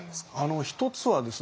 一つはですね